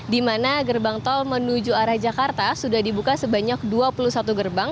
di mana gerbang tol menuju arah jakarta sudah dibuka sebanyak dua puluh satu gerbang